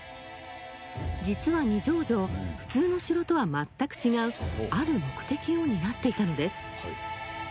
実は二条城普通の城とは全く違うある目的を担っていたのです。